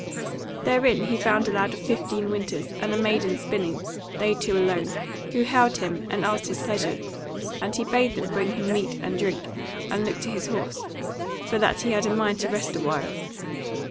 Therein he found a lad of fifteen winters, and a maiden spinning, they two alone, who hailed him and asked his pleasure, and he bade them bring him meat and drink, and look to his horse, for that he had a mind to rest a while.